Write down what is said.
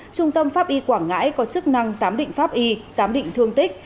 trung tâm pháp y quảng ngãi có chức năng giám định pháp y giám định thương tích